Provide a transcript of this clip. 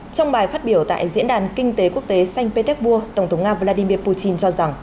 trong bài phát biểu tại diễn đàn kinh tế quốc tế xanh petersburg tổng thống nga vladimir putin cho rằng